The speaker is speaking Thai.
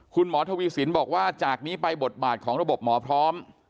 คุณหมอทวีสินบอกว่าจากนี้ไปบทบาทของระบบหมอพร้อม